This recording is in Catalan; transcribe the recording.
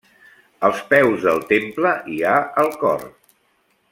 Als peus del temple hi ha el cor.